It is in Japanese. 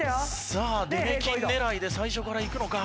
さあ出目金狙いで最初からいくのか？